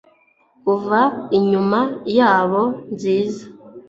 Kuva inyuma yabo nziza